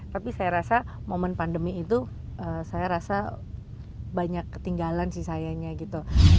tapi saya rasa momen pandemi itu saya rasa banyak ketinggalan sih sayanya gitu